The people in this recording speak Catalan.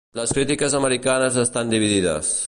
Les crítiques americanes estan dividides.